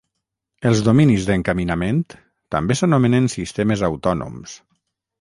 Els dominis d'encaminament també s'anomenen sistemes autònoms.